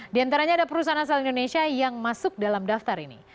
di antaranya ada perusahaan asal indonesia yang masuk dalam daftar ini